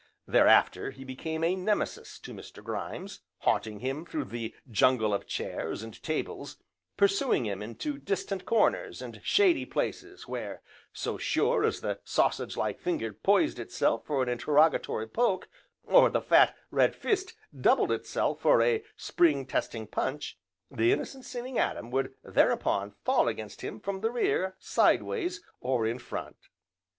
Thereafter he became a Nemesis to Mr. Grimes, haunting him through the jungle of chairs, and tables, pursuing him into distant corners, and shady places, where, so sure as the sausage like finger poised itself for an interrogatory poke, or the fat, red fist doubled itself for a spring testing punch, the innocent seeming Adam would thereupon fall against him from the rear, sideways, or in front.